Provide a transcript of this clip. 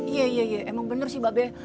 iya iya iya emang bener sih babe